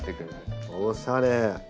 おしゃれ！